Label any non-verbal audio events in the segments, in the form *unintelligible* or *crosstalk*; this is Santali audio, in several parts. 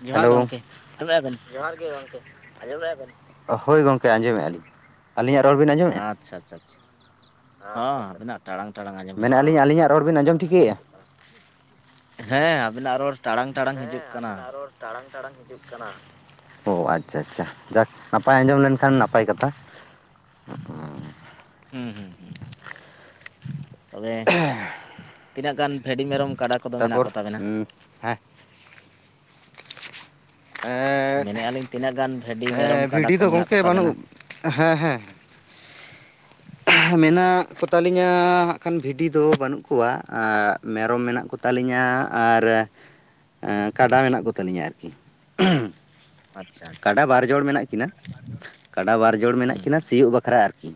ᱡᱚᱦᱟᱨ ᱦᱮᱞᱳ ᱜᱮ ᱜᱚᱝᱠᱮ ᱟᱸᱡᱚᱢᱮᱜᱼᱟ ᱵᱮᱱ ᱡᱚᱦᱟᱨ ᱜᱮ ᱜᱚᱢᱠᱮ ᱟᱸᱡᱚᱢᱮᱫᱼᱟ ᱵᱮᱱ ᱦᱳᱭ ᱜᱚᱢᱠᱮ ᱟᱸᱡᱚᱢᱮᱫᱼᱟ ᱞᱤᱧ᱾ ᱟᱹᱞᱤᱧᱟᱜ ᱨᱚᱲ ᱵᱤᱱ ᱟᱸᱡᱚᱢᱮᱫᱼᱟ᱾ ᱟᱪᱪᱷᱟ ᱟᱪᱪᱷᱟ ᱟᱪᱪᱷᱟ᱾ ᱟᱪᱪᱷᱟ ᱦᱚᱸ ᱟᱪᱪᱷᱟ ᱟᱵᱤᱱᱟᱜ ᱴᱟᱲᱟᱝ ᱴᱟᱲᱟᱝ ᱟᱸᱡᱚᱢ ᱢᱮᱱᱮᱫ ᱦᱤᱡᱩᱜ ᱠᱟᱱᱟ ᱟᱹᱞᱤᱧ ᱟᱹᱞᱤᱧᱟᱜ ᱨᱚᱲ ᱵᱤᱱ ᱟᱸᱡᱚᱢ ᱴᱷᱤᱠᱟᱹᱭᱮᱫᱼᱟ? ᱦᱮᱸ ᱟᱵᱤᱱᱟᱜ ᱨᱚᱲ ᱴᱟᱲᱟᱝ ᱴᱟᱲᱟᱝ ᱦᱤᱡᱩᱜ ᱠᱟᱱᱟ᱾ ᱴᱟᱲᱟᱝ ᱴᱟᱲᱟᱝ ᱦᱤᱡᱩᱜ ᱠᱟᱱᱟ ᱚ ᱟᱪᱪᱷᱟ ᱟᱪᱪᱷᱟ ᱡᱟᱠ ᱱᱟᱯᱟᱭ ᱟᱸᱡᱚᱢ ᱞᱮᱱᱠᱷᱟᱱ ᱱᱟᱯᱟᱭ ᱠᱟᱛᱷᱟ᱾ ᱦᱩ ᱦᱩ ᱦᱩ ᱦᱩ ᱛᱚᱵᱮ ᱛᱤᱱᱟᱹᱜ ᱜᱟᱱ ᱵᱷᱮᱰᱤ ᱢᱮᱨᱚᱢ ᱠᱟᱰᱟᱼᱼ ᱛᱟᱨᱯᱚᱨ ᱦᱩᱸ ᱦᱮᱸ᱾ ᱮᱸᱫᱻ ᱟᱹᱞᱤᱧ ᱛᱤᱱᱟᱹᱜ ᱜᱟᱱ ᱵᱷᱮᱰᱟ? ᱮᱸ ᱵᱷᱤᱰᱤ ᱫᱚ ᱜᱚᱝᱠᱮ ᱵᱟᱹᱱᱩᱜ, ᱦᱮᱸ ᱦᱮᱸ᱾ ᱢᱮᱱᱟᱜ ᱠᱚᱛᱟᱞᱤᱧᱟ ᱦᱟᱸᱜ ᱠᱷᱟᱱ ᱵᱷᱤᱰᱤ ᱫᱚ ᱵᱟᱹᱱᱩᱜ ᱠᱚᱣᱟ ᱢᱮᱨᱚᱢ ᱢᱮᱱᱟᱜ ᱠᱚ ᱛᱟᱹᱞᱤᱧᱟ ᱟᱨᱼᱼ *inaudible* ᱠᱟᱰᱟ ᱢᱮᱱᱟᱜ ᱠᱚᱛᱟᱞᱤᱧᱟ ᱟᱨᱠᱤ, ᱩᱸᱦ᱾ ᱟᱪᱪᱷᱟ ᱟᱪᱪᱷᱟ ᱠᱟᱰᱟ ᱵᱟᱨ ᱡᱚᱲ ᱢᱮᱱᱟᱜ ᱠᱤᱱᱟ ᱠᱟᱰᱟ ᱵᱟᱨ ᱡᱚᱲ ᱢᱮᱱᱟᱜ ᱦᱩᱸ ᱠᱤᱱᱟ ᱥᱤᱭᱳᱜ ᱵᱟᱠᱷᱨᱟ ᱟᱨᱠᱤ᱾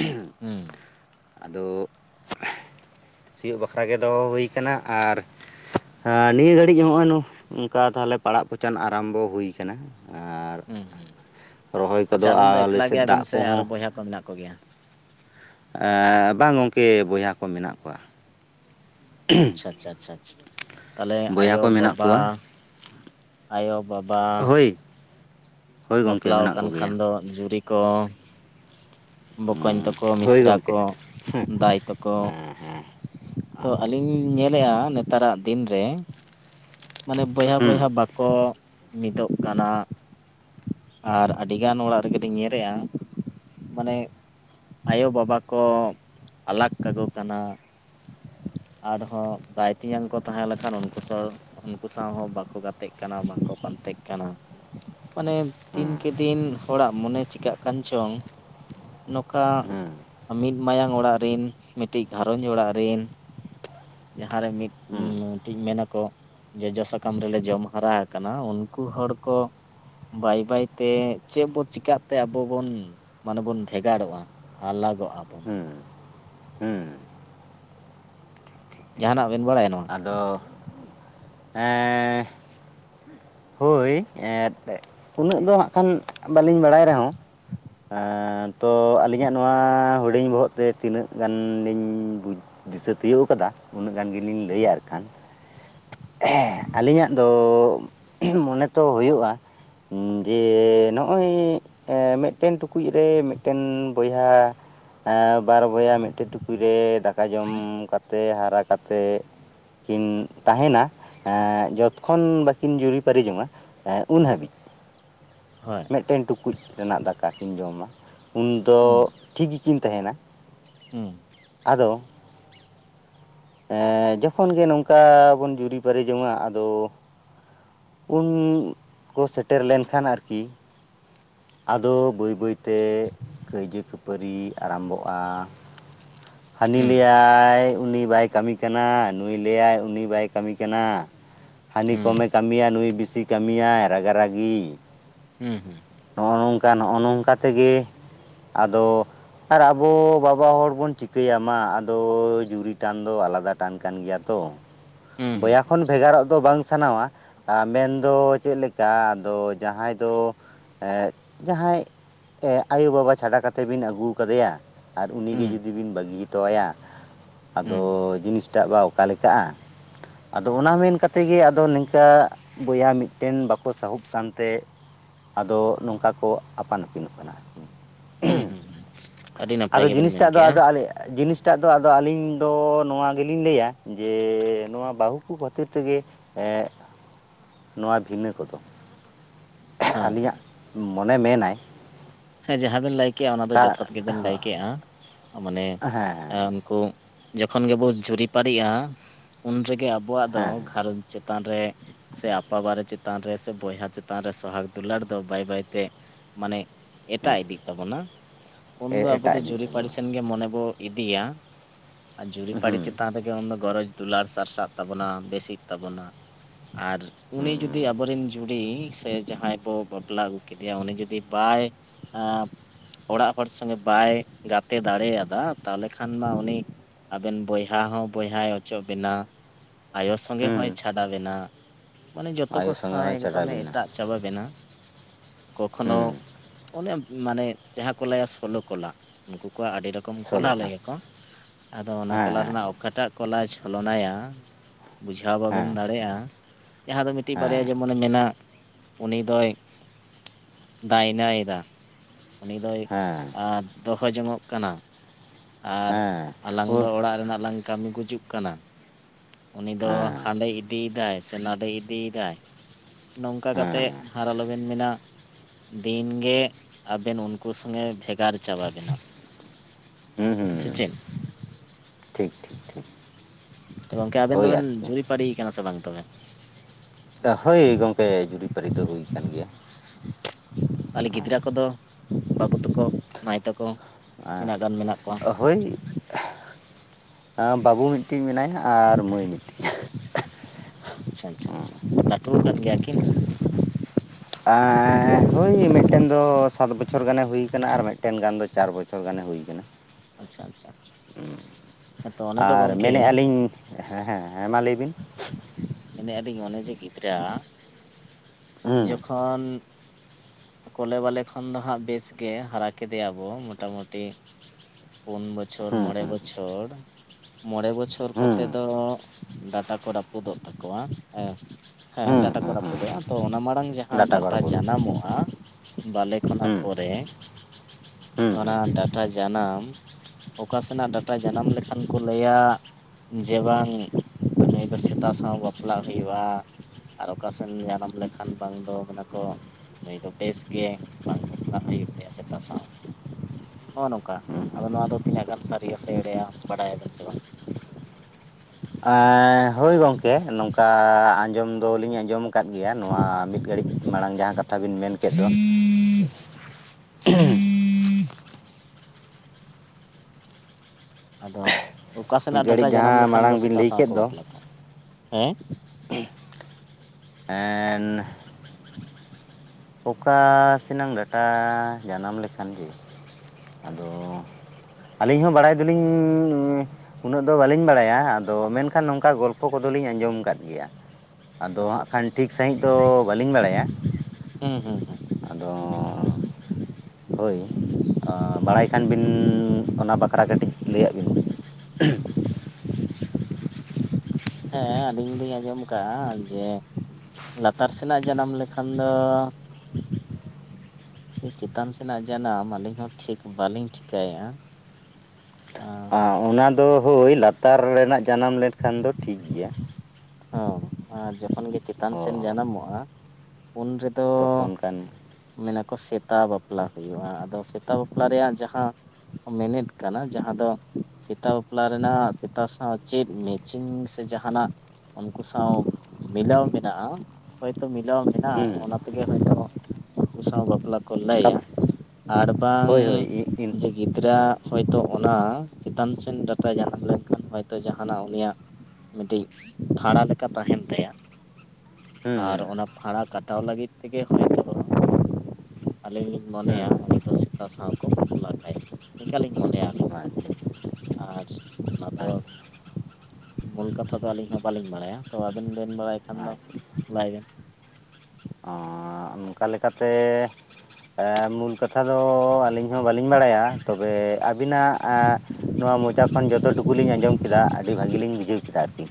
ᱩᱸᱦ᱾ ᱦᱩᱸ᱾ ᱟᱫᱚ, ᱮᱸᱦ ᱥᱤᱭᱳᱜ ᱵᱟᱠᱷᱨᱟ ᱜᱮ ᱫᱚᱦᱚ ᱦᱩᱭ ᱠᱟᱱᱟ ᱟᱨᱼᱼ ᱟᱸ ᱱᱤᱭᱟᱹ ᱜᱷᱟᱹᱲᱤᱡ ᱱᱚᱜᱼᱚᱭ ᱱᱚ ᱚᱝᱠᱟ ᱛᱟᱦᱞᱮ ᱯᱟᱲᱟᱜ ᱯᱚᱪᱟᱱ ᱟᱨᱟᱢᱵᱚ ᱦᱩᱭ ᱟᱠᱟᱱᱟ᱾ ᱟᱨ ᱦᱩᱸ ᱦᱩᱸ, ᱨᱚᱦᱚᱭ ᱪᱪᱷᱟ ᱠᱚᱫᱚ ᱟᱵᱮᱱ ᱫᱚ ᱮᱠᱞᱟ ᱟᱞᱮ ᱥᱮᱫ ᱜᱮᱭᱟᱵᱮᱱ ᱫᱟᱜ ᱥᱮ ᱟᱨᱚ ᱠᱚᱦᱚᱸ ᱵᱚᱭᱦᱟ ᱠᱚ ᱢᱮᱱᱟᱜ ᱠᱚ ᱜᱮᱭᱟ? ᱮᱸ ᱵᱟᱝ ᱜᱚᱝᱠᱮ ᱵᱚᱭᱦᱟ ᱠᱚ ᱢᱮᱱᱟᱜ ᱠᱚᱣᱟ᱾ ᱟᱪᱪᱷᱟ ᱟᱪᱪᱷᱟ ᱟᱪᱪᱷᱟ ᱟᱪ, ᱛᱟᱦᱞᱮ ᱟᱭᱳ ᱵᱚᱭᱦᱟ ᱠᱚ ᱢᱮᱱᱟᱜ ᱵᱟᱵᱟ ᱠᱚᱣᱟ ᱟᱭᱳ ᱵᱟᱵᱟ ᱦᱳᱭ ᱦᱳᱭ ᱜᱚᱢᱠᱮ ᱵᱟᱯᱞᱟᱣ ᱢᱮᱱᱟᱜ ᱠᱟᱱ ᱠᱷᱟᱱ ᱠᱚᱜᱮᱭᱟ ᱫᱚ ᱡᱩᱨᱤ ᱠᱚ, ᱵᱚᱠᱚᱧ ᱛᱟᱠᱚ ᱢᱤᱥᱨᱟ ᱠᱚ ᱦᱮᱸ ᱫᱟᱭ ᱛᱟᱠᱚ ᱦᱮᱸ ᱦᱮᱸ᱾ ᱛᱚ ᱟᱹᱞᱤᱧ ᱞᱤᱧ ᱧᱮᱞᱮᱜᱼᱟ ᱱᱮᱛᱟᱨᱟᱜ ᱫᱤᱱᱨᱮ ᱢᱟᱱᱮ ᱵᱚᱭᱦᱟ ᱦᱮᱸ ᱵᱚᱭᱦᱟ ᱵᱟᱠᱚ ᱢᱤᱫᱚᱜ ᱠᱟᱱᱟ᱾ ᱟᱨ ᱟᱹᱰᱤᱜᱟᱱ ᱚᱲᱟᱜ ᱨᱮᱜᱮ ᱞᱤᱧ ᱧᱮᱞᱮᱜᱼᱟ, ᱢᱟᱱᱮ ᱟᱭᱳᱼᱵᱟᱵᱟ ᱠᱚ, ᱟᱞᱟᱜᱽ ᱠᱟᱠᱚ ᱠᱟᱱᱟ᱾ ᱟᱨᱦᱚᱸ ᱵᱟᱭ ᱛᱮᱧᱟᱝ ᱠᱚ ᱛᱟᱦᱮᱸ ᱞᱮᱠᱷᱟᱱ ᱩᱱᱠᱩ ᱥᱚᱲ ᱩᱱᱠᱩ ᱥᱟᱶ ᱦᱚᱸ ᱵᱟᱠᱚ ᱜᱟᱛᱮᱜ ᱠᱟᱱᱟ ᱵᱟᱝᱠᱚ ᱯᱟᱱᱛᱮᱜ ᱠᱟᱱᱟ᱾ ᱢᱟᱱᱮ ᱦᱮᱸ ᱫᱤᱱᱠᱮ ᱫᱤᱱ ᱦᱚᱲᱟᱜ ᱢᱚᱱᱮ ᱪᱤᱠᱟᱹᱜ ᱠᱟᱱ ᱪᱚᱝ, ᱱᱚᱠᱟ ᱦᱮᱸ ᱢᱤᱫ ᱢᱟᱭᱟᱝ ᱚᱲᱟᱜ ᱨᱤᱱ ᱢᱤᱫᱴᱤᱡ ᱜᱷᱟᱨᱚᱸᱡᱽ ᱚᱲᱟᱜ ᱨᱤᱱ ᱡᱟᱦᱟᱸ ᱨᱮ ᱢᱤᱫ ᱦᱮᱸ ᱩᱸ ᱴᱤᱡ ᱢᱮᱱᱟᱠᱚ ᱡᱚᱡᱚ ᱥᱟᱠᱟᱢ ᱨᱮᱞᱮ ᱡᱚᱢ ᱦᱟᱨᱟ ᱟᱠᱟᱱᱟ ᱩᱱᱠᱩ ᱦᱚᱲ ᱠᱚ ᱵᱟᱭ ᱵᱟᱭ ᱛᱮ ᱪᱮᱜ ᱵᱚ ᱪᱤᱠᱟᱜ ᱛᱮ ᱟᱵᱚ ᱵᱚᱱ ᱢᱟᱱᱮ ᱵᱚᱱ ᱵᱷᱮᱜᱟᱲᱚᱜᱼᱟ, ᱟᱞᱟᱜᱚᱜᱼᱟ ᱵᱚ᱾ ᱦᱮᱸ ᱦᱮᱸ ᱡᱟᱦᱟᱱᱟᱜ ᱵᱮᱱ ᱵᱟᱲᱟᱭᱟ ᱱᱚᱣᱟ? ᱟᱫᱚ ᱮᱸ ᱦᱳᱭ ᱮᱸᱫ, ᱩᱱᱟᱹᱜ ᱫᱚ ᱦᱟᱸᱜ ᱠᱷᱟᱱ ᱵᱟᱹᱞᱤᱧ ᱵᱟᱲᱟᱭ ᱨᱮᱦᱚᱸ ᱮᱸ ᱛᱚ ᱟᱹᱞᱤᱧᱟᱜ ᱱᱚᱣᱟ ᱦᱩᱰᱤᱧ ᱵᱚᱦᱚᱜ ᱛᱮ ᱛᱤᱱᱟᱹᱜ ᱜᱟᱱ ᱞᱤᱧ ᱵᱩᱡᱽ ᱫᱤᱥᱟᱹ ᱛᱤᱭᱳᱜ ᱟᱠᱟᱫᱟ ᱩᱱᱟᱹᱜ ᱜᱟᱱ ᱜᱮᱞᱤᱧ ᱞᱟᱹᱭᱟ ᱟᱨ ᱠᱷᱟᱱ᱾ ᱟᱹᱞᱤᱧᱟᱜ ᱫᱚ, ᱢᱚᱱᱮ ᱛᱚ ᱦᱳᱭᱳᱜᱼᱟ᱾ ᱩᱸ ᱡᱮᱸ ᱱᱚᱜᱼᱚᱭ ᱮᱸ ᱢᱮᱫᱴᱮᱱ ᱴᱩᱠᱩᱡ ᱨᱮ ᱢᱮᱫᱴᱮᱱ ᱵᱚᱭᱦᱟ ᱮᱸ ᱵᱟᱨ ᱵᱚᱭᱦᱟ ᱢᱮᱫᱴᱮᱜ ᱴᱩᱠᱩᱡ ᱨᱮ ᱫᱟ ᱠᱟ ᱡᱚᱢ ᱠᱟᱛᱮ ᱦᱟᱨᱟ ᱠᱟᱛᱮᱜ ᱠᱤᱱ ᱛᱟᱦᱮᱱᱟ᱾ ᱮᱸ ᱡᱚᱛᱠᱷᱚᱱ ᱵᱟᱹᱠᱤᱱ ᱡᱩᱨᱤᱼᱯᱟᱨᱤ ᱡᱚᱝᱟ ᱮᱸ ᱩᱱ ᱦᱟᱹᱵᱤᱡ᱾ ᱦᱳᱭ ᱢᱮᱫᱴᱮᱱ ᱴᱩᱠᱩᱡ ᱨᱮᱱᱟᱜ ᱫᱟᱠᱟ ᱠᱤᱱ ᱡᱚᱢᱟ ᱩᱱᱫᱚ ᱦᱩᱸ ᱴᱷᱤᱠ ᱜᱮᱠᱤᱱ ᱛᱟᱦᱮᱱᱟ᱾ ᱦᱩᱸ ᱟᱫᱚ ᱮᱸ ᱡᱚᱠᱷᱚᱱ ᱜᱮ ᱱᱚᱝᱠᱟ ᱵᱚᱱ ᱡᱩᱨᱤ ᱯᱟᱨᱮ ᱡᱚᱝᱟ ᱟᱫᱚ ᱩᱱ, ᱠᱚ ᱥᱮᱴᱮᱨ ᱞᱮᱱᱠᱷᱟᱱ ᱟᱨᱠᱤ ᱟᱫᱚ ᱵᱟᱹᱭ ᱵᱟᱹᱭ ᱛᱮ ᱠᱟᱹᱭᱡᱟᱹ ᱠᱷᱟᱹᱯᱟᱹᱨᱤ ᱟᱨᱟᱢᱵᱚᱜᱼᱟ᱾ ᱦᱟᱱᱤ ᱦᱩᱸ ᱞᱮᱭᱟᱭ ᱩᱱᱤ ᱵᱟᱭ ᱠᱟᱹᱢᱤ ᱠᱟᱱᱟ ᱱᱩᱭ ᱞᱟᱹᱭᱟᱭ ᱩᱱᱤ ᱵᱟᱭ ᱠᱟᱹᱢᱤ ᱠᱟᱱᱟ ᱦᱟᱹᱱᱤ ᱠᱚᱢᱮ ᱦᱩᱸ ᱠᱟᱢ ᱢᱤᱭᱟ ᱱᱩᱭ ᱵᱤᱥᱤ ᱠᱟᱹᱢᱤ ‌ᱭᱟᱭ ᱨᱟᱜᱟ ᱨᱟᱜᱤ᱾ ᱦᱩᱸ ᱦᱩᱸ᱾ ᱱᱚᱜᱼᱚ ᱱᱚᱝᱠᱟ ᱱᱚᱜᱼᱚ ᱱᱚᱝᱠᱟ ᱛᱮᱜᱮ ᱟᱫᱚ ᱟᱨ ᱟᱵᱚ ᱵᱟᱵᱟ ᱦᱚᱲ ᱵᱚᱱ ᱪᱤᱠ ᱠᱟᱹᱭᱟ ᱢᱟ ᱟᱫᱚ ᱡᱩᱨᱤ ᱴᱟᱱ ᱫᱚ ᱟᱞᱟᱫᱟ ᱴᱟᱱ ᱠᱟᱱ ᱜᱮᱭᱟ ᱛᱚ᱾ ᱦᱩᱸ ᱦᱩᱸ ᱵᱚᱭᱦᱟ‌ᱠᱷᱚᱱ ᱵᱷᱮᱜᱟᱨᱚᱜ ᱫᱚ ᱵᱟᱝ ᱥᱟᱱᱟᱣᱟ ᱟ ᱢᱮᱱ ᱫᱚ ᱪᱮᱜ ᱞᱮᱠᱟ ᱟᱫᱚ ᱡᱟᱦᱟᱸᱭ ᱫᱚ ᱮᱜ ᱡᱟᱦᱟᱸᱭ ᱮᱜ ᱟᱭᱳ ᱵᱟᱵᱟ ᱪᱷᱟᱰᱟ ᱠᱟᱛᱮᱜ ᱵᱤᱱ ᱟᱜᱩ ᱠᱟᱫᱮᱭᱟ᱾ ᱟᱨ ᱩᱱᱤ ᱜᱮ ᱡᱩᱫᱤ ᱵᱤᱱ ᱵᱟᱜᱤ ᱦᱚᱴᱚ ᱟᱭᱟ ᱟᱫᱚ ᱦᱩᱸ ᱡᱤᱱᱤᱥ ᱴᱟᱜ ᱵᱟ ᱚᱠᱟ ᱞᱮᱠᱟᱜ-ᱟ, ᱟᱫᱚ ᱚᱱᱟ ᱢᱮᱱ ᱠᱟᱛᱮ ᱜᱮ ᱟᱫᱚ ᱱᱤᱝᱠᱟᱼᱼ ᱵᱚᱭᱦᱟ ᱢᱤᱫᱴᱮᱱ ᱵᱟᱠᱚ ᱥᱟᱦᱚᱵ ᱠᱟᱱ ᱛᱮ ᱟᱫᱚ ᱱᱚᱝᱠᱟ ᱠᱚ ᱟᱯᱟᱱ ᱟᱯᱤᱱᱚᱜ ᱠᱟᱱᱟ ᱟᱨ ᱠᱤ᱾ ᱦᱩᱸ ᱦᱩᱸ ᱦᱩᱸ ᱟᱹᱰᱤ ᱱᱟᱯᱟᱭ ᱟᱫᱚ ᱜᱮᱵᱮᱱ ᱡᱤᱱᱤᱥ ᱢᱮᱱ ᱴᱟᱜ ᱫᱚ ᱠᱮᱜᱼᱟ ᱟᱫᱚ ᱟᱞᱮ ᱡᱤᱱᱤᱥ ᱴᱟᱜ ᱫᱚ ᱟᱫᱚ ᱟᱞᱤᱧ ᱫᱚ ᱱᱚᱣᱟ ᱜᱮᱞᱤᱧ ᱞᱟᱹᱭᱟ, ᱡᱮ ᱱᱚᱣᱟ ᱵᱟᱦᱩ ᱠᱚ ᱠᱷᱟᱹᱛᱤᱨ ᱛᱮᱜᱮ ᱮᱜ ᱱᱚᱣᱟ ᱵᱷᱤᱱᱟᱹ ᱠᱚᱫᱚ ᱦᱮᱸ ᱟᱞᱤᱧᱟᱜ ᱢᱚᱱᱮ ᱢᱮᱱᱟᱭ᱾ ᱦᱮᱸ, ᱡᱟᱦᱟᱸ ᱵᱤᱱ ᱞᱟᱹᱭ ᱠᱮᱜ-ᱟ ᱚᱱᱟ ᱫᱚ ᱠᱟ ᱡᱚᱛᱷᱟᱛ ᱜᱮᱵᱮᱱ ᱞᱟᱹᱭ ᱠᱮᱜ-ᱟ ᱚ ᱢᱟᱱᱮ ᱦᱮᱸ ᱟᱢ ᱠᱩ ᱡᱚᱠᱷᱚᱱ ᱜᱮᱵᱚ ᱡᱩᱨᱤ ᱯᱟᱨᱤᱜ-ᱟ, ᱩᱱ ᱨᱮᱜᱮ ᱟᱵᱚᱣᱟᱜ ᱫᱚ ᱦᱮᱸ ᱜᱷᱟᱨᱚᱸᱡᱽᱼᱼ ᱪᱮᱛᱟᱱ ᱨᱮ ᱥᱮ ᱟᱯᱟ ᱵᱟᱨᱮ ᱪᱮᱛᱟᱱ ᱨᱮ ᱥᱮ ᱵᱚᱭᱦᱟ ᱪᱮᱛᱟᱱ ᱨᱮ ᱥᱚᱦᱟᱜᱽ ᱫᱩᱞᱟᱲ ᱫᱚ ᱵᱟᱭ ᱵᱟᱭ ᱛᱮ ᱢᱟᱱᱮ ᱦᱮᱸ ᱮᱴᱟᱜ ᱤᱫᱤᱜ ᱛᱟᱵᱚᱱᱟ, ᱩᱱ ᱫᱚ ᱟᱵᱚ ᱫᱚ ᱮᱴᱟᱜ ᱤᱫᱤᱜ ᱡᱩᱨᱤ ᱯᱟᱨᱤ ᱛᱟᱵᱚᱱᱟ ᱥᱮᱱ ᱜᱮ ᱢᱚᱱᱮ ᱵᱚ ᱤᱫᱤᱭᱟ᱾ ᱟᱨ ᱡᱩᱨᱤ ᱯᱟᱲᱤ ᱦᱮᱸ ᱪᱮᱛᱟᱱ ᱨᱮᱜᱮ ᱫᱚ ᱜᱚᱨᱚᱡᱽ ᱫᱩᱞᱟᱲ ᱥᱟᱨᱥᱟᱜ ᱛᱟᱵᱚᱱᱟ ᱵᱮᱥᱤᱜ ᱛᱟᱵᱚᱱᱟ᱾ ᱟᱨ ᱩᱱᱤ ᱦᱮᱸ ᱡᱩᱫᱤ ᱟᱵᱚ ᱨᱮᱱ ᱡᱩᱨᱤ ᱥᱮ ᱡᱟᱦᱟᱭ ᱵᱚ ᱵᱟᱯᱞᱟ ᱟᱜᱩ ᱠᱮᱫᱮᱭᱟ ᱩᱱᱤ ᱡᱩᱫᱤ ᱵᱟᱭ ᱟᱵ ᱚᱲᱟᱜ ᱦᱚᱲ ᱥᱚᱸᱜᱮ ᱵᱟᱭ ᱜᱟᱛᱮ ᱫᱟᱲᱮ ᱭᱟᱫᱟ, ᱛᱟᱦᱚᱞᱮ ᱠᱷᱟᱱ ᱢᱟ ᱩᱱᱤ ᱟᱵᱮᱱ ᱵᱚᱭᱦᱟ ᱦᱚᱸ ᱵᱚᱭᱦᱟᱭ ᱚᱪᱚᱜ ᱵᱮᱱᱟ, ᱟᱭᱳ ᱥᱚᱸᱜᱮ ᱦᱮᱸ ᱦᱚᱸᱭ ᱪᱷᱟᱰᱟ ᱵᱮᱱᱟ᱾ ᱢᱟᱱᱮ ᱡᱚᱛᱚ ᱠᱚ ᱟᱭᱳ ᱥᱚᱸᱜᱮ ᱥᱟᱶᱮ‌ ᱦᱚᱸᱭ ᱪᱟᱰᱟᱣ ᱮᱠᱫᱚᱢᱮ ᱵᱤᱱᱟ ᱮᱴᱟᱜ ᱪᱟᱵᱟ ᱵᱮᱱᱟ ᱠᱚᱠᱷᱚᱱᱚ ᱦᱮᱸ ᱢᱟᱱᱮ ᱡᱟᱦᱟᱸ ᱠᱚ ᱞᱟᱹᱭᱟ ᱥᱳᱞᱳ ᱠᱚᱞᱟ, ᱩᱱᱠᱩ ᱠᱚᱣᱟᱜ ᱟᱰᱤ ᱨᱚᱠ ᱠᱚᱢ ᱥᱳᱞ ᱠᱚᱞᱟ ᱦᱮᱸ ᱞᱟᱹᱭᱟ ᱠᱚ ᱟᱫᱚ ᱚᱱᱟ ᱠᱚᱞᱟ ᱦᱮᱸ ᱨᱮᱱᱟᱜ ᱚᱠᱟ ᱴᱟᱜ ᱠᱚᱞᱟᱭ ᱪᱷᱚᱞᱚ ᱱᱟᱭᱟ᱾ ᱵᱩᱡᱷᱟᱣ ᱵᱟᱵᱮᱱ ᱦᱮᱸ ᱫᱟᱲᱮᱭᱟᱜ-ᱟ, ᱡᱟᱦᱟᱸ ᱫᱚ ᱢᱤᱫᱴᱤᱡ ᱦᱮᱸ ᱵᱟᱨᱭᱟ ᱦᱮᱸ ᱡᱮᱢᱚᱱᱼᱼ ᱚᱱᱮᱧ ᱢᱮᱱᱟᱜ ᱩᱱᱤ ᱫᱚᱭ ᱫᱟᱭᱱᱟᱭ ᱫᱟ᱾ ᱩᱱᱤ ᱫᱚᱭ ᱦᱮᱸ ᱫᱚᱦᱚ ᱡᱚᱝᱚᱜ ᱠᱟᱱᱟ᱾ ᱟᱨ ᱦᱮᱸ ᱟᱞᱟᱝ ᱫᱚ ᱚᱲᱟᱜ ᱨᱮᱱᱟᱜ ᱞᱟᱝ ᱠᱟᱢᱤ ᱜᱩᱡᱩᱜ ᱠᱟᱱᱟ᱾ ᱩᱱᱤ ᱫᱚ ᱦᱮᱸ ᱦᱟᱸᱰᱮ ᱤᱫᱤᱭ ᱫᱟᱭ ᱥᱮ ᱱᱟᱰᱮᱭ ᱤᱫᱤᱭ ᱫᱟᱭ ᱱᱚᱝᱠᱟ ᱠᱟᱛᱮᱜ ᱦᱮᱸ ᱦᱟᱨ ᱟᱞᱚ ᱵᱮᱱ ᱢᱮᱱᱟ ᱫᱤᱱ ᱜᱮ ᱟᱵᱮᱱ ᱩᱱᱠᱩ ᱥᱚᱸᱜᱮ ᱵᱷᱮᱜᱟᱨ ᱪᱟᱵᱟ ᱵᱮᱱᱟ, ᱥᱮ ᱦᱮᱸ ᱪᱮᱱ? ᱴᱷᱤᱠ ᱴᱷᱤᱠ ᱴᱷᱤᱠ᱾ ᱛᱚ ᱜᱚᱝᱠᱮ ᱟᱵᱮᱱ ᱦᱳᱭ ᱫᱚᱵᱮᱱ ᱟᱨᱠᱤ ᱡᱩᱨᱤ ᱯᱟᱨᱤᱭ ᱠᱟᱱᱟ ᱥᱮ ᱵᱟᱝ ᱛᱚᱵᱮ? ᱛᱟ ᱦᱳᱭ ᱜᱚᱝᱠᱮ, ᱡᱩᱨᱤᱼ ᱯᱟᱨᱤ ᱫᱚ ᱦᱩᱭ ᱠᱟᱱ ᱜᱮᱭᱟ᱾ ᱛᱟᱦᱞᱮ ᱜᱤᱫᱽᱨᱟ ᱠᱚᱫᱚ ᱵᱟᱵᱩ ᱛᱟᱠᱚ ᱢᱟᱭ ᱛᱟᱠᱚ? ᱛᱤᱱᱟᱹᱜ ᱜᱟᱱ ᱢᱮᱱᱟᱜ ᱠᱚᱣᱟ ᱟᱻᱦᱳᱭ ᱟ ᱵᱟᱵᱩ ᱢᱤᱫᱴᱤᱡ ᱢᱮᱱᱟᱭᱟ। ᱟᱨ ᱢᱟᱹᱭ ᱢᱤᱫᱴᱤᱡ᱾ ᱟᱪᱪᱷᱟ ᱟᱪᱪᱷᱟ ᱟᱪᱪᱷᱟ, ᱞᱟᱴᱩᱣ ᱠᱟᱱ ᱜᱮᱭᱟ ᱠᱤᱱ? ᱮᱸᱻ ᱦᱳᱭ ᱢᱤᱫᱴᱮᱱ ᱫᱚ ᱥᱟᱛ ᱵᱚᱪᱷᱚᱨ ᱜᱟᱱᱮ ᱦᱩᱭ ᱠᱟᱱᱟ ᱟᱨ ᱢᱮᱫᱴᱮᱱ ᱜᱟᱱ ᱫᱚ ᱪᱟᱨ ᱵᱚᱪᱷᱚᱨ ᱜᱟᱱᱮ ᱦᱩᱭ ᱠᱟᱱᱟ᱾ ᱟᱪᱪᱷᱟ ᱟᱪᱪᱷᱟ ᱟᱪᱪᱷᱟ ᱦᱮᱸ, ᱛᱚ ᱚᱱᱮ ᱛᱚ ᱟᱨ ᱜᱚᱝᱠᱮ ᱢᱮᱱᱮᱫᱼᱟ ᱞᱤᱧ ᱦᱮᱸ ᱦᱮᱸ, ᱦᱮᱸ ᱢᱟ ᱞᱟᱹᱭ ᱵᱤᱱ? ᱢᱮᱱ ᱫᱟᱹᱧ ᱚᱱᱮ ᱡᱮ ᱜᱤᱫᱽᱨᱟᱼᱼ ᱦᱮᱸ ᱡᱚᱠᱷᱚᱱ ᱠᱚᱞᱮ ᱵᱟᱞᱮ ᱠᱷᱚᱱ ᱫᱚ ᱦᱟᱸᱜ ᱵᱮᱥ ᱜᱮ ᱦᱟᱨᱟ ᱠᱮᱫᱮᱭᱟᱵᱚ ᱢᱚᱴᱟᱢᱩᱴᱤ ᱯᱩᱱ ᱵᱚᱪᱷᱚᱨ ᱦᱮᱸ ᱢᱚᱬᱮ ᱦᱮᱸ ᱵᱚᱪᱷᱚᱨ, ᱢᱚᱬᱮ ᱵᱚᱪᱷᱚᱨ ᱦᱮᱸ ᱠᱚᱛᱮ ᱫᱚ ᱰᱟᱴᱟ ᱠᱚ ᱨᱟᱹᱯᱩᱫᱚᱜ ᱛᱟᱠᱚᱣᱟ ᱦᱮᱸ᱾ ᱦᱮᱸ ᱰᱟᱴᱟ ᱠᱚ ᱨᱟᱹᱯᱩᱫᱚᱜ-ᱟ, ᱛᱚ ᱚᱱᱟ ᱢᱟᱲᱟᱝ ᱡᱟᱦᱟᱸ ᱰᱟᱴᱟ ᱜᱚᱲᱟ ᱯᱩᱨᱟᱹ ᱡᱟᱱᱟᱢᱚᱜ-ᱟ᱾ ᱵᱟᱞᱮ ᱠᱷᱚᱱ ᱦᱟᱸᱜ ᱦᱮᱸ ᱯᱚᱨᱮ ᱦᱮᱸ ᱚᱱᱟ ᱦᱮᱸ ᱰᱟᱴᱟ ᱡᱟᱱᱟᱢ ᱚᱠᱟ ᱥᱮᱱᱟᱜ ᱰᱟᱴᱟ ᱡᱟᱱᱟᱢ ᱞᱮᱠᱷᱟᱱ ᱠᱚ ᱞᱟᱹᱭᱟ ᱡᱮ ᱵᱟᱝ ᱱᱩᱭ ᱫᱚ ᱥᱮᱛᱟ ᱥᱟᱶ ᱵᱟᱯᱞᱟᱜ ᱦᱩᱭᱩᱜ-ᱟ᱾ ᱟᱨ ᱚᱠᱟᱥᱮᱱ ᱡᱟᱱᱟᱢ ᱞᱮᱠᱷᱟᱱ ᱵᱟᱝ ᱫᱚ ᱢᱮᱱᱟᱠᱚ ᱱᱩᱭ ᱫᱚ ᱱᱩᱭ ᱫᱚ ᱴᱮᱥ ᱜᱮ ᱵᱟᱝ ᱵᱟᱯᱞᱟᱜ ᱦᱩᱭᱩᱜ ᱜᱮᱭᱟ ᱛᱟᱭᱟ ᱥᱮᱛᱟ ᱥᱟᱶ᱾ ᱦᱚᱸᱜ-ᱚ ᱱᱚᱝᱠᱟ, ᱟᱫᱚ ᱱᱚᱣᱟ ᱫᱚ ᱛᱤᱱᱟᱹᱜ ᱜᱟᱱ ᱥᱟᱹᱨᱤᱭᱟ ᱥᱮ ᱮᱲᱮᱭᱟ ᱵᱟᱰᱟᱭᱵᱤᱱ ᱥᱮ ᱵᱟᱝ? ᱮᱸ ᱦᱳᱭ ᱜᱚᱢᱠᱮ ᱱᱚᱝᱠᱟ ᱟᱸᱡᱚᱢ ᱫᱚᱞᱤᱧ ᱟᱸᱡᱚᱢ ᱠᱟᱫ ᱜᱮᱭᱟ ᱱᱚᱣᱟ ᱢᱤᱫ ᱜᱷᱟᱹᱲᱤᱡ ᱢᱟᱲᱟᱝ ᱡᱟᱦᱟᱸ ᱠᱟᱛᱷᱟ ᱵᱤᱱ ᱢᱮᱱ ᱠᱮᱫ ᱫᱚ᱾ ᱟᱫᱚ ᱚᱠᱟ ᱢᱤᱫ ᱥᱮᱱᱟᱜ ᱰᱟᱴᱟ ᱜᱷᱟᱹᱲᱤᱡ ᱡᱟᱱᱟᱢ ᱡᱟᱦᱟᱸ ᱞᱮᱠᱷᱟᱱ ᱫᱚ ᱢᱟᱲᱟᱝ ᱵᱤᱱ ᱥᱮᱛᱟ ᱞᱟᱹᱭ ᱥᱟᱶ ᱠᱚ ᱵᱟᱯᱞᱟ ᱠᱚᱣᱲ? ᱦᱮᱸ? ᱮᱱ ᱚᱠᱟ ᱥᱮᱱᱟᱝ ᱰᱟᱴᱟ ᱡᱟᱱᱟᱢ ᱞᱮᱠᱷᱟᱱ ᱜᱮ ᱟᱫᱚ ᱟᱹᱞᱤᱧ ᱦᱚᱸ ᱵᱟᱲᱟᱭ ᱫᱚᱞᱤᱧ ᱩᱱᱟᱹᱜ ᱫᱚ ᱵᱟᱹᱞᱤᱧ ᱵᱟᱲᱟᱭᱟ ᱟᱫᱚ ᱢᱮᱱᱠᱷᱟᱱ ᱱᱚᱝᱠᱟ ᱜᱚᱞᱯᱚ ᱠᱚᱫᱚᱞᱤᱧ ᱟᱸᱡᱚᱢ ᱠᱟᱫ ᱜᱮᱭᱟ᱾ ᱟᱫᱚ ᱟᱪᱪᱷᱟ ᱦᱟᱸᱜ ᱟᱪᱪᱷᱟ ᱠᱷᱟᱱ ᱟᱪᱪᱷᱟ ᱴᱷᱤᱠ ᱥᱟᱺᱦᱤᱡ ᱫᱚ ᱵᱟᱹᱞᱤᱧ ᱵᱟᱲᱟᱭᱟ᱾ ᱦᱩᱸ ᱦᱩᱸ ᱦᱩᱸ᱾ ᱟᱫᱚ ᱦᱳᱭ ᱟ ᱵᱟᱲᱟᱭ ᱠᱷᱟᱱ ᱵᱤᱱ ᱚᱱᱟ ᱵᱟᱠᱷᱨᱟ ᱠᱟᱹᱴᱤᱡ ᱞᱟᱹᱭ ᱟᱜ ᱵᱤᱱ᱾ ᱦᱮᱸ ᱟᱞᱤᱧ ᱞᱤᱧ ᱟᱸᱡᱚᱢ ᱠᱟᱜ-ᱟ ᱡᱮ ᱞᱟᱛᱟᱨ ᱥᱮᱱᱟᱜ ᱡᱟᱱᱟᱢ ᱞᱮᱠᱷᱟᱱ ᱫᱚ ᱥᱮ ᱪᱮᱛᱟᱱ ᱥᱮᱱᱟᱜ ᱡᱟᱱᱟᱢ ᱟᱹᱞᱤᱧ ᱦᱚᱸ ᱴᱷᱤᱠ ᱵᱟᱹᱞᱤᱧ ᱴᱷᱤᱠᱟᱹᱭᱮᱫ-ᱟ᱾ *inaudible* ᱟ ᱚᱱᱟ ᱫᱚ ᱦᱳᱭ ᱞᱟᱛᱟᱨ ᱨᱮᱱᱟᱜ ᱡᱟᱱᱟᱢ ᱞᱮᱱᱠᱷᱟᱱ ᱫᱚ ᱴᱷᱤᱠ ᱜᱮᱭᱟ᱾ ᱦᱚᱸ ᱟᱨ ᱡᱚᱠᱷᱚᱱ ᱜᱮ ᱪᱮᱛᱟᱱ ᱚ ᱥᱮᱱ ᱡᱟᱱᱟᱢᱚᱜ-ᱟ ᱩᱱ ᱨᱮᱫ ᱛᱚᱠᱷᱚᱱᱠᱟᱱ ᱠᱚ ᱥᱮᱛᱟ ᱵᱟᱯᱞᱟ ᱦᱩᱭᱩᱜ-ᱟ, ᱟᱫᱚ ᱥᱮᱛᱟ ᱵᱟᱯᱞᱟ ᱨᱮᱭᱟᱜ ᱡᱟᱦᱟᱸ ᱢᱮᱱᱮᱫ ᱠᱟᱱᱟ ᱡᱟᱦᱟᱸ ᱫᱚ ᱥᱮᱛᱟ ᱵᱟᱯᱞᱟ ᱨᱮᱱᱟᱜ ᱥᱮᱛᱟ ᱥᱟᱶ ᱪᱮᱫ ᱢᱮᱪᱤᱝ ᱥᱮ ᱡᱟᱦᱟᱱᱟᱜ ᱩᱱᱠᱩ ᱥᱟᱶ ᱢᱤᱞᱟᱹᱣ ᱢᱮᱱᱟᱜ-ᱟ᱾ ᱦᱳᱭᱛᱚ ᱢᱤᱞᱟᱹᱣ ᱢᱮᱱᱟᱜ-ᱟ ᱦᱩᱸ ᱚᱱᱟ ᱛᱮᱜᱮ ᱦᱚᱭᱛᱚ ᱩᱱᱠᱩ ᱥᱟᱶ ᱵᱟᱯᱞᱟ ᱠᱚ ᱞᱟᱹᱭ ᱟ ᱟᱨ ᱵᱟᱝ ᱦᱳᱭ ᱦᱳᱭ ᱦᱮᱸ ᱡᱮ ᱜᱤᱫᱽᱨᱟ ᱦᱚᱭᱛᱚ ᱚᱱᱟ ᱪᱮᱛᱟᱱ ᱥᱮᱱ ᱰᱟᱴᱟ ᱡᱟᱱᱟᱢ ᱞᱮᱱᱠᱷᱟᱱ ᱦᱚᱭᱛᱚ ᱡᱟᱦᱟᱱᱟᱜ ᱩᱱᱤᱭᱟᱜ ᱢᱤᱫᱴᱤᱡ ᱠᱷᱟᱲᱟ ᱞᱮᱠᱟ ᱛᱟᱦᱮᱱ ᱛᱟᱭᱟ ᱦᱮᱸ ᱟᱨ ᱚᱱᱟ ᱠᱷᱟᱲᱟ ᱠᱟᱴᱟᱣ ᱞᱟᱹᱜᱤᱫ ᱛᱮᱜᱮ ᱦᱚᱭᱛᱚ ᱟᱞᱤᱧ ᱞᱤᱧ ᱢᱚᱱᱮᱭᱟ ᱦᱮᱸ ᱩᱱᱤ ᱫᱚ ᱥᱮᱛᱟ ᱥᱟᱶ ᱠᱚ ᱵᱟᱯᱞᱟ ᱠᱟᱭᱟ ᱱᱚᱝᱠᱟᱞᱤᱧ ᱢᱚᱱᱮᱭᱟ᱾ ᱟᱪᱪᱷᱟ ᱟᱪᱪᱷᱟ ᱟᱨ ᱚᱱᱟ ᱫᱚ ᱟᱪᱪᱷᱟ ᱢᱩᱞ ᱠᱟᱛᱷᱟ ᱫᱚ ᱟᱹᱞᱤᱧ ᱦᱚᱸ ᱵᱟᱹᱞᱤᱧ ᱵᱟᱲᱟᱭᱟ ᱛᱚ ᱟᱵᱤᱱ ᱵᱮᱱ ᱵᱟᱲᱟᱭ ᱠᱷᱟᱱ ᱫᱚ ᱞᱟᱹᱭ ᱵᱤᱱ᱾ ᱟᱜ ᱱᱚᱝᱠᱟ ᱞᱮᱠᱟᱛᱮ ᱮ ᱢᱩᱞ ᱠᱟᱛᱷᱟ ᱫᱚ ᱟᱹᱞᱤᱧ ᱦᱚᱸ ᱵᱟᱹᱞᱤᱧ ᱵᱟᱲᱟᱭᱟ ᱛᱚᱵᱮ ᱟᱹᱵᱤᱱᱟᱜ ᱟ ᱱᱚᱣᱟ ᱢᱚᱪᱟ ᱠᱷᱚᱱ ᱡᱚᱛᱚ ᱴᱩᱠᱩ ᱞᱤᱧ ᱟᱸᱡᱚᱢ ᱠᱮᱫᱟ ᱟᱹᱰᱤ ᱵᱷᱟᱜ ᱞᱤᱧ ᱵᱩᱡᱷᱟᱹᱣ ᱠᱮᱫᱟ ᱟᱨᱠᱤ᱾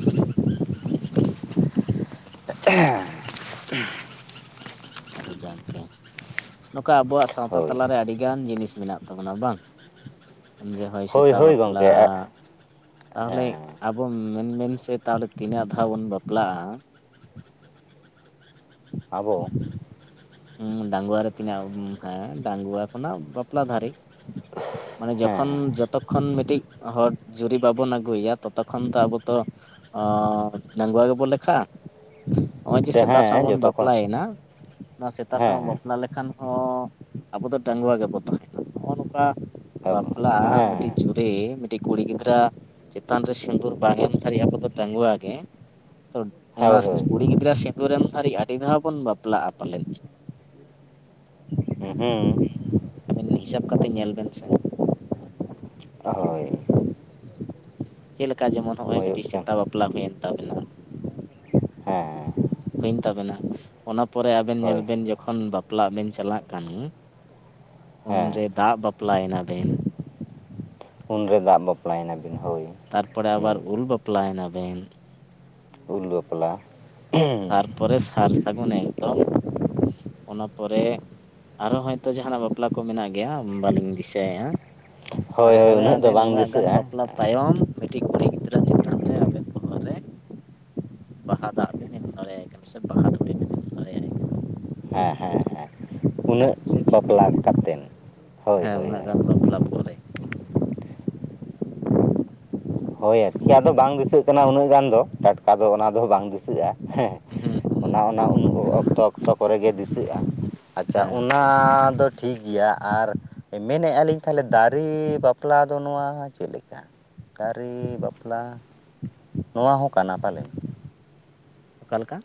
*inaudible* *inaudible* ᱟᱫᱚ ᱡᱚᱠᱜᱮ᱾ ᱱᱚᱝᱠᱟ ᱟᱵᱚᱣᱟᱜ ᱥᱟᱶᱛᱟ ᱦᱳᱭ ᱛᱟᱞᱟᱨᱮ ᱟᱹᱰᱤ ᱜᱟᱱ ᱡᱤᱱᱤᱥ ᱢᱮᱱᱟᱜ ᱛᱟᱵᱚᱱᱟ ᱵᱟᱝ᱾ ᱡᱮ ᱦᱳᱭ ᱥᱮᱛᱟ ᱵᱟᱯᱞᱟ᱾ ᱛᱟᱦᱚᱞᱮ ᱦᱮᱸ ᱟᱵᱚ ᱢᱮᱱᱵᱮᱱ ᱥᱮ ᱛᱟᱦᱚᱞᱮ ᱛᱤᱱᱟᱹᱜ ᱫᱷᱟᱣ ᱵᱚᱱ ᱵᱟᱯᱞᱟᱜ-ᱟ᱾ ᱟᱵᱚ? ᱦᱩᱸ ᱰᱟᱝᱜᱣᱟ ᱨᱮ ᱛᱤᱱᱟᱹᱜ, ᱦᱮᱸ ᱰᱟᱝᱜᱣᱟ ᱠᱷᱚᱱᱟᱜ ᱵᱟ ᱯᱞᱟ ᱫᱷᱟᱹᱨᱤᱡ ᱢᱟᱱᱮ ᱡᱚᱠᱷᱚᱱ ᱦᱮᱸ ᱡᱚᱛᱚ ᱠᱷᱚᱱ ᱢᱤᱫᱴᱤᱡ ᱦᱚᱲ ᱡᱩᱨᱤ ᱵᱟᱵᱚᱱ ᱟᱹᱜᱩᱭᱟ ᱛᱚᱛᱚᱠᱷᱚᱱ ᱛᱚ ᱟᱵᱚ ᱛᱚ ᱚᱸ ᱰᱟᱹᱜᱣᱟ ᱜᱮᱵᱚ ᱞᱮᱠᱷᱟᱜᱼᱟ᱾ ᱦᱚᱸᱜᱼᱚᱭ ᱡᱮ ᱦᱮᱸ ᱥᱮᱛᱟ ᱥᱟᱶ ᱦᱮᱸ ᱵᱚᱱ ᱡᱚᱛᱚ ᱠᱷᱚᱱ ᱵᱟᱯᱞᱟᱭᱮᱱᱟ ᱱᱚᱣᱟ ᱥᱮᱛᱟ ᱦᱮᱸ ᱥᱟᱶ ᱦᱮᱸ ᱵᱟᱯᱞᱟ ᱞᱮᱠᱷᱟᱱ ᱦᱚᱸ ᱟᱵᱚ ᱫᱚ ᱰᱟᱹᱜᱣᱟ ᱜᱮᱵᱚ ᱛᱟᱦᱮᱱᱟ ᱦᱚᱸᱜᱼᱚ ᱱᱚᱝᱠᱟ ᱟᱵᱚ ᱵᱟᱯᱞᱟ ᱦᱮᱸ ᱢᱤᱫᱴᱤᱡ ᱦᱮᱸ ᱡᱩᱫᱤ ᱢᱤᱫᱴᱤᱡ ᱠᱩᱲᱤ ᱜᱤᱫᱽᱨᱟᱹᱣᱟᱜ ᱪᱮᱛᱟᱱ ᱨᱮ ᱥᱤᱸᱫᱩᱨ ᱵᱟᱝ ᱮᱢ ᱫᱷᱟᱨᱤᱡ ᱟᱵᱚ ᱫᱚ ᱰᱟᱹᱜᱣᱟ ᱜᱮ, ᱛᱚ ᱚᱱᱟ ᱦᱳᱭ ᱦᱳᱭ ᱠᱩᱲᱤ ᱜᱤᱫᱽᱨᱟᱹᱣᱟᱜ ᱥᱤᱸᱫᱩᱨ ᱮᱢ ᱫᱷᱟᱨᱤᱡ ᱟᱹᱰᱤ ᱫᱷᱟᱣ ᱵᱚᱱ ᱵᱟᱯᱞᱟᱜᱼᱟ᱾ ᱯᱟᱞᱮᱱ᱾ ᱦᱩᱸ ᱦᱩᱸ᱾ ᱟᱵᱤᱱ ᱦᱤᱥᱟᱹᱵ ᱠᱟᱛᱮ ᱧᱮᱞ ᱵᱮᱱ ᱥᱮ᱾ ᱦᱳᱭ᱾ ᱪᱮᱫ ᱞᱮᱠᱟ ᱡᱮᱢᱚᱱ ᱦᱚᱸᱜᱼᱚᱭ ᱦᱩᱭᱩᱜ ᱢᱤᱫᱴᱤᱡ ᱠᱟᱱ ᱥᱮᱛᱟ ᱵᱟᱯᱞᱟ ᱦᱩᱭᱮᱱ ᱛᱟᱵᱮᱱᱟ, ᱦᱮᱸ᱾ ᱦᱩᱭᱮᱱ ᱛᱟᱵᱮᱱᱟ, ᱚᱱᱟ ᱯᱚᱨᱮ ᱟᱵᱮᱱ ᱧᱮᱞ ᱦᱳᱭ ᱵᱮᱱ ᱡᱚᱠᱷᱚᱱ ᱵᱟᱯ ᱯᱞᱟᱜ ᱵᱮᱱ ᱪᱟᱞᱟᱜ ᱠᱟᱱᱟ, ᱦᱮᱸ ᱩᱱᱨᱮ ᱫᱟᱜ ᱵᱟᱯᱞᱟᱭᱮᱱᱟ ᱵᱮᱱ᱾ ᱩᱱᱨᱮ ᱫᱟᱜ ᱵᱟᱯᱞᱟᱭᱮᱱᱟ ᱵᱤᱱ ᱦᱳᱭ, ᱦᱩᱸ᱾ ᱯᱞᱟᱭᱮᱱᱟ ᱵᱮᱱ᱾ ᱩᱞ ᱵᱟᱯᱞᱟ᱾ ᱛᱟᱯᱚᱨᱮ ᱥᱟᱨ ᱥᱟᱹᱜᱩᱱ ᱮᱠᱫᱚᱢ, ᱚᱱᱟ ᱯᱚᱨᱮ ᱟᱨ ᱦᱚᱭᱛᱚ ᱡᱟᱦᱟᱱᱟᱜ ᱵᱟᱯᱞᱟ ᱠᱚ ᱢᱮᱱᱟᱜ ᱜᱮᱭᱟ ᱵᱟᱹᱞᱤᱧ ᱫᱤᱥᱟᱹᱭᱮᱜ-ᱟ᱾ ᱦᱳᱭ ᱦᱳᱭ ᱛᱟᱨᱯᱚᱨᱮ ᱫᱚ ᱟᱵᱮᱱ ᱵᱟᱝ ᱩᱱᱟᱹᱜ ᱜᱟᱱ ᱫᱤᱥᱟᱹᱜᱼᱟ ᱵᱟᱯᱞᱟ ᱛᱟᱭᱚᱢ ᱢᱤᱫᱴᱤᱡ ᱠᱩᱲᱤ ᱜᱤᱫᱽᱨᱟᱹ ᱪᱮᱛᱟᱱ ᱨᱮ ᱟᱵᱮᱱ ᱵᱚᱦᱚᱜ ᱨᱮ ᱵᱟᱦᱟ ᱫᱟᱜ ᱵᱤᱱ ᱮᱢ ᱫᱟᱲᱮᱭᱟᱭ ᱠᱟᱱᱟ ᱥᱮ ᱵᱟᱦᱟ ᱫᱷᱩᱲᱤ ᱵᱮᱱ ᱮᱢ ᱫᱟᱲᱮᱭᱟᱭ ᱠᱟᱱᱟ᱾ ᱦᱮᱸ ᱦᱮᱸ ᱦᱮᱸ ᱩᱱᱟᱹᱜ ᱥᱮ ᱪᱮᱫ ᱵᱟᱯᱞᱟ ᱠᱟᱛᱮᱱ᱾ ᱦᱳᱭ ᱦᱮᱸ ᱦᱳᱭ ᱩᱱᱟᱹᱜ ᱦᱳᱭ ᱜᱟᱱ ᱵᱟᱯᱞᱟ ᱯᱚᱨᱮ᱾ ᱦᱳᱭ ᱟᱨᱠᱤ ᱟᱫᱚ ᱵᱟᱝ ᱫᱤᱥᱟᱹᱜ ᱠᱟᱱᱟ ᱩᱱᱟᱹᱜ ᱜᱟᱱ ᱫᱚ ᱴᱟᱴᱠᱟ ᱫᱚ ᱚᱱᱟ ᱫᱚ ᱵᱟᱝ ᱫᱤᱥᱟᱹᱜᱼᱟ, ᱦᱮᱸ᱾ ᱦᱩᱸ ᱦᱩᱸ ᱚᱱᱟ ᱚᱱᱟ ᱩᱱ ᱚᱠᱛᱚ ᱚᱠᱛᱚ ᱠᱚᱨᱮ ᱜᱮ ᱫᱤᱥᱟᱹᱜᱼᱟ᱾ ᱟᱪᱷᱟ ᱦᱮᱸ ᱚᱱᱟ ᱚᱠᱛᱚ ᱯᱚᱨᱮ ᱫᱚ ᱴᱷᱤᱠ ᱜᱮᱭᱟ ᱟᱨ ᱢᱮᱱᱮᱜ-ᱟ ᱞᱤᱧ ᱛᱟᱦᱟᱞᱮ ᱫᱟᱨᱮ ᱵᱟᱯᱞᱟ ᱫᱚ ᱱᱚᱣᱟ ᱪᱮᱫ ᱞᱮᱠᱟ? ᱫᱟᱨᱮ ᱵᱟᱯᱞᱟ᱾ ᱱᱚᱣᱟ ᱦᱚᱸ ᱠᱟᱱᱟ ᱯᱟᱞᱮᱱ? ᱚᱠᱟᱞᱮᱠᱟ?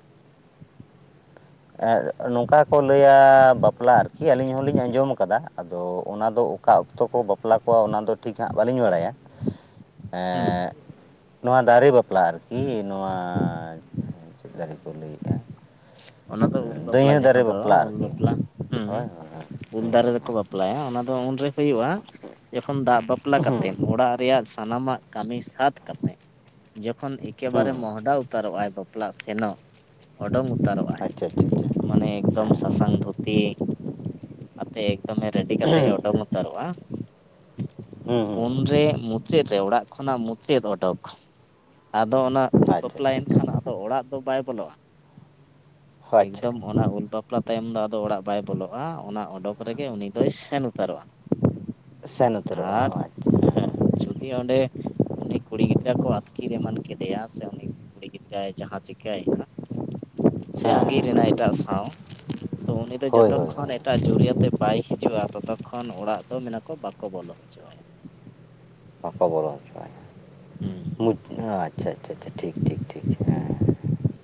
ᱟᱨ ᱱᱚᱝᱠᱟ ᱠᱚ ᱞᱟᱹᱭᱟ ᱵᱟᱯᱞᱟ ᱟᱨᱠᱤ ᱟᱹᱞᱤᱧ ᱦᱚᱞᱤᱧ ᱟᱸᱡᱚᱢ ᱠᱟᱫᱟ ᱟᱫᱚ ᱚᱱᱟ ᱫᱚ ᱚᱠᱟ ᱚᱠᱛᱚ ᱠᱚ ᱵᱟᱯᱞᱟ ᱠᱚᱣᱟ ᱚᱱᱟ ᱫᱚ ᱴᱷᱤᱠ ᱦᱟᱸᱜ ᱵᱟᱹᱞᱤᱧ ᱵᱟᱲᱟᱭᱟ᱾ *inaudible* ᱦᱩᱸ ᱮᱸᱜ ᱱᱚᱣᱟ ᱫᱟᱨᱮ ᱵᱟᱯᱞᱟ ᱟᱨᱠᱤ, ᱱᱚᱣᱟ ᱪᱮᱫ ᱫᱟᱨᱮ ᱠᱚ ᱞᱟᱹᱭᱮᱜᱼᱟ? ᱚᱱᱟ ᱫᱚ ᱩᱞ ᱵᱟᱯᱞᱟ ᱡᱟᱦᱟᱸ ᱫᱚ ᱵᱟᱯᱞᱟ ᱩᱞ ᱟᱨᱠᱤ ᱵᱟᱯᱞᱟ ᱦᱩᱸ᱾ ᱦᱳᱭ ᱦᱳᱭ ᱦᱳᱭ ᱩᱞ ᱦᱩᱸ ᱫᱟᱨᱮ ᱨᱮᱠᱚ ᱵᱟᱯᱞᱟᱭᱟ ᱚᱱᱟ ᱫᱚ ᱩᱱᱨᱮ ᱦᱳᱭᱳᱜᱼᱟ, ᱡᱚᱠᱷᱚᱱ ᱫᱟᱜ ᱵᱟᱯᱞᱟ ᱦᱩᱸ ᱠᱟᱛᱮᱱ ᱚᱲᱟᱜ ᱨᱮᱭᱟᱜ ᱥᱟᱱᱟᱢᱟᱜ ᱠᱟᱹᱢᱤ ᱥᱟᱛ ᱠᱟᱛᱮᱫ ᱡᱚᱠᱷᱚᱱ ᱮᱠᱮᱵᱟᱨᱮ ᱦᱩᱸ ᱢᱚᱦᱚᱰᱟ ᱩᱛᱟᱹᱨᱚᱜ-ᱟᱭ ᱵᱟᱯᱞᱟᱜ ᱥᱮᱱᱚᱜ ᱳᱰᱳᱝ ᱩᱛᱟᱹᱨᱚᱜ-ᱟᱭ᱾ ᱟᱪᱷᱟ ᱟᱪᱷᱟ ᱟᱪᱷᱟ᱾ ᱢᱟᱱᱮ ᱮᱠᱫᱚᱢ ᱥᱟᱥᱟᱝ ᱫᱷᱩᱛᱤ ᱟᱛᱮᱜ ᱮᱠᱫᱚᱢᱮ ᱨᱮᱰᱤ ᱠᱟᱛᱮᱫ ᱮ ᱦᱩᱸ ᱚᱰᱳᱝ ᱩᱛᱟᱹᱨᱚᱜᱼᱟ, ᱦᱩᱸ ᱦᱩᱸ ᱩᱱᱨᱮ ᱢᱩ ᱪᱮᱜ ᱨᱮ ᱚᱲᱟᱜ ᱠᱷᱚᱱᱟᱜ ᱢᱩᱪᱟᱹᱫ ᱚᱰᱳᱠ ᱟᱫᱚ ᱚᱱᱟ ᱟᱪᱪᱷᱟ ᱟᱪᱪᱷᱟ ᱵᱟᱯᱞᱟᱮᱱ ᱟᱪᱪᱷᱟ ᱠᱷᱟᱱ ᱛᱚ ᱚᱲᱟᱜ ᱫᱚ ᱵᱟᱭ ᱵᱚᱞᱚᱜᱼᱟ ᱾ ᱦᱳᱭ ᱟᱪᱪᱷᱟ ᱮᱠᱫᱚᱢ, ᱚᱱᱟ ᱩᱞ ᱵᱟᱯᱞᱟ ᱛᱟᱭᱚᱢ ᱫᱚ ᱟᱫᱚ ᱚᱲᱟᱜ ᱵᱟᱭ ᱵᱚᱞᱚᱜᱼᱟ ᱚᱱᱟ ᱚᱰᱳᱠ ᱨᱮᱜᱮ ᱩᱱᱤ ᱫᱚᱭ ᱥᱮᱱ ᱩᱛᱟᱹᱨᱚᱜᱼᱟ ᱥᱮᱱ ᱾ ᱟᱨ ᱩᱛᱟᱹᱨᱚᱜᱼᱟ ᱟᱪᱪᱷᱟ ᱦᱮᱸ *unintelligible* ᱡᱩᱫᱤ ᱚᱸᱰᱮ ᱩᱱᱤ ᱠᱩᱲᱤ ᱜᱤᱫᱽᱨᱟᱹ ᱠᱚ ᱟᱹᱛᱠᱤᱨ ᱮᱢᱟᱱ ᱠᱮᱫᱮᱭᱟ ᱥᱮ ᱩᱱᱤ ᱠᱩᱲᱤ ᱜᱤᱫᱽᱨᱟᱹᱭ ᱡᱟᱦᱟ ᱪᱤᱠᱟᱹᱭᱱᱟ ᱾ ᱥᱮ ᱟᱸᱜᱤᱨ ᱦᱮᱸ ᱮᱱᱟᱭ ᱮᱴᱟᱜ ᱥᱟᱶ ᱛᱚ ᱩᱱᱤ ᱫᱚ ᱦᱳᱭ ᱡᱚᱛᱚᱠ ᱦᱳᱭ ᱠᱷᱚᱱ ᱦᱳᱭ ᱮᱠ ᱮᱴᱟᱜ ᱡᱩᱨᱤ ᱟᱛᱮ ᱵᱟᱭ ᱦᱤᱡᱩᱜᱼᱟ ᱛᱚᱛᱚᱠ ᱠᱷᱚᱱ ᱚᱲᱟᱜ ᱫᱚ ᱢᱮᱱᱟ ᱠᱚ ᱵᱟᱠᱚ ᱵᱚᱞᱚ ᱪᱚᱜᱼᱟ᱾ ᱵᱟᱠᱚ ᱵᱚᱞᱚ ᱦᱚᱪᱚᱟᱭᱟ ᱦᱩᱸ ᱢᱩᱪᱷ ᱟᱪᱪᱷᱟ ᱟᱪᱪᱷᱟ ᱟᱪᱪᱷᱟ ᱴᱷᱤᱠ ᱴᱷᱤᱠ ᱴᱷᱤᱠ ᱦᱮᱸ᱾ *inaudible*